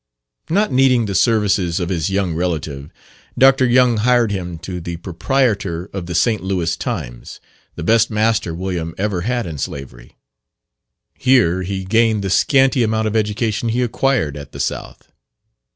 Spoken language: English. Not needing the services of his young relative, Dr. Young hired him to the proprietor of the St. Louis Times, the best master William ever had in slavery. Here he gained the scanty amount of education he acquired at the South.